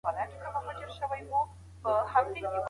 زه هره ورځ د انځورونو رسم کوم.